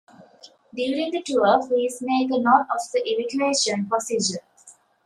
During the tour, please make a note of the evacuation procedure.